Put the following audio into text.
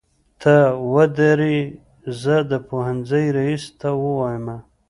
ته ودرې زه د پوهنځۍ ريس ته وويمه.